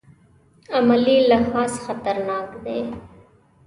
عملي لحاظ خطرناک دی.